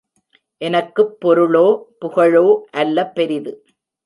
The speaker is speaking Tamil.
எனக்குப் பொருளோ, புகழோ அல்ல பெரிது.